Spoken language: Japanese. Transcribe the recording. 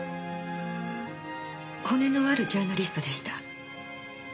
骨のあるジャーナリストでした。